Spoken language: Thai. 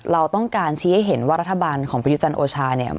เราต้องการชี้ให้เห็นว่ารัฐบาลของประยุจันทร์โอชาเนี่ย